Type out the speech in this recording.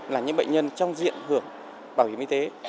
là những bệnh nhân trong diện hưởng bảo hiểm y tế